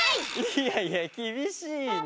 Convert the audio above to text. いやいやきびしいな。